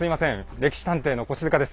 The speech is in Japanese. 「歴史探偵」の越塚です。